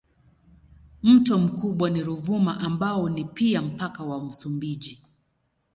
Mto mkubwa ni Ruvuma ambao ni pia mpaka wa Msumbiji.